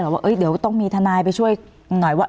ว่าเดี๋ยวต้องมีทนายไปช่วยหน่อยว่า